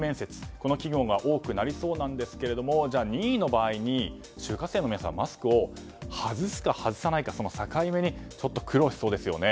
この企業が多くなりそうなんですけども任意の場合に就活生の皆さんはマスクを外すか外さないか、その境目にちょっと苦労しそうですよね。